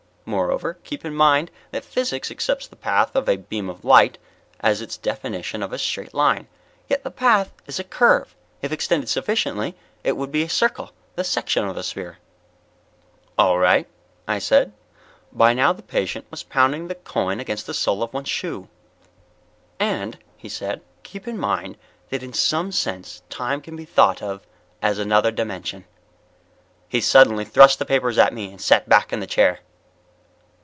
Moreover, keep in mind that physics accepts the path of a beam of light as its definition of a straight line. Yet, the path is a curve; if extended sufficiently it would be a circle, the section of a sphere." "All right," I said. By now the patient was pounding the coin against the sole of one shoe. "And," he said, "keep in mind that in some sense time can be thought of as another dimension." He suddenly thrust the papers at me and sat back in the chair.